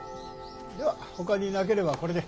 ではほかになければこれで。